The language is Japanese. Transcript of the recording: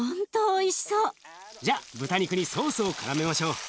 じゃあ豚肉にソースをからめましょう。